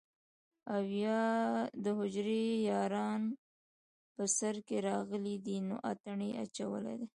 او يا دحجرې ياران په سر کښې راغلي دي نو اتڼ يې اچولے دے